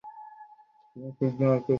আমরা সকল ডেটা পুনরায় ক্রস চেক করে দেখব!